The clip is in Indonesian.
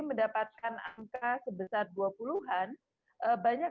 mendapatkan angka sebesar dua puluh an banyak